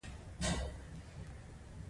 د هند د نیمې وچې په هر ځای کې دا مثالونه شته.